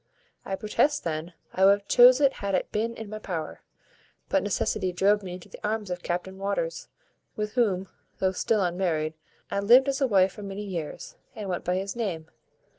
I protest, then, I would have chose it had it been in my power; but necessity drove me into the arms of Captain Waters, with whom, though still unmarried, I lived as a wife for many years, and went by his name.